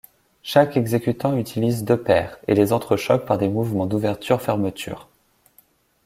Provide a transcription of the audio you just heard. Chaque exécutant utilise deux paires, et les entrechoque par des mouvements d'ouverture-fermeture.